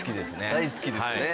大好きですね。